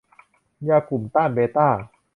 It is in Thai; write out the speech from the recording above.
ยากลุ่มต้านเบต้า